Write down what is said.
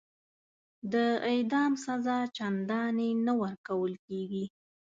د اعدام سزا چنداني نه ورکول کیږي.